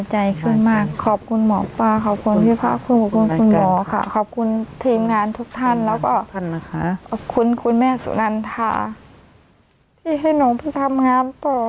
ที่ให้หนูไปทำงานต่อค่ะ